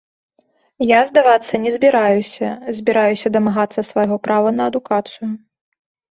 Я здавацца не збіраюся, збіраюся дамагацца свайго права на адукацыю.